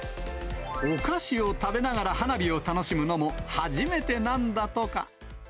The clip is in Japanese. お菓子を食べながら花火を楽しむのも初めてなんだとか。